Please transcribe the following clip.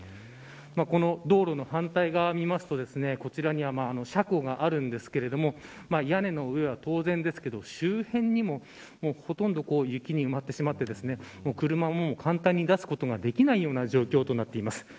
この道路の反対側を見ますとこちらには車庫があるんですけど屋根の上は当然ですけれど周辺にも、ほとんど雪に埋まってしまって車も簡単に出すことができないような状況になっています。